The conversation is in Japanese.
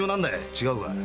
違うかい？